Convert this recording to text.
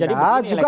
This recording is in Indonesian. jadi anda juga harus